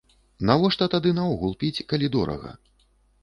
Навошта тады наогул піць, калі дорага?